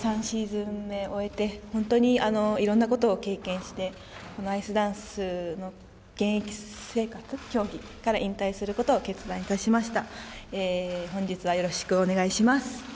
３シーズン目を終えて、本当にいろんなことを経験して、アイスダンスの現役生活、競技から引退することを決断いたしました。